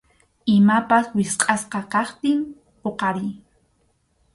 Imapas wichqʼasqa kaptin huqariy.